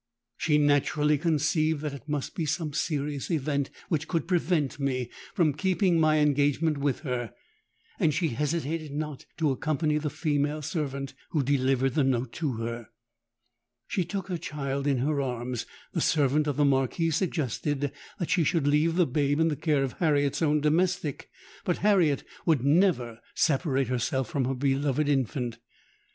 she naturally conceived that it must be some serious event which could prevent me from keeping my engagement with her; and she hesitated not to accompany the female servant who delivered the note to her. She took her child in her arms: the servant of the Marquis suggested that she should leave the babe in the care of Harriet's own domestic; but Harriet would never separate herself from her beloved infant!